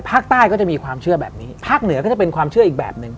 ภาคใต้ก็จะมีความเชื่อแบบนี้ภาคเหนือก็จะเป็นความเชื่ออีกแบบหนึ่ง